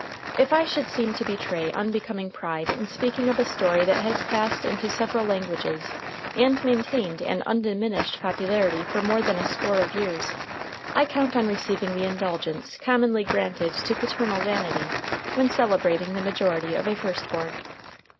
If I should seem to betray unbecoming pride in speaking of a story that has passed into several languages and maintained an undiminished popularity for more than a score of years, I count on receiving the indulgence commonly granted to paternal vanity when celebrating the majority of a first born.